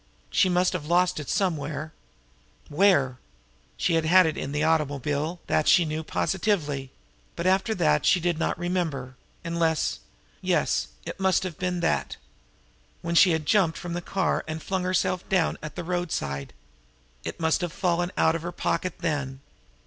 She must have lost it somewhere, then. Where? She had had it in the automobile, that she knew positively; but after that she did not remember, unless yes, it must have been that! When she had jumped from the car and flung herself down at the roadside! It must have fallen out of her pocket then.